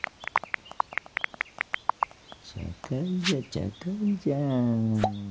茶会じゃ茶会じゃ。